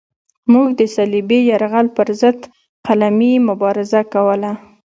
موږ د صلیبي یرغل پرضد قلمي مبارزه کوله.